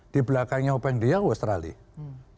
di belakangnya hopeng dia australia